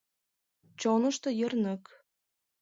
Чонышто йырнык.